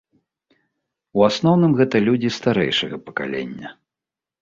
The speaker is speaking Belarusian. У асноўным гэта людзі старэйшага пакалення.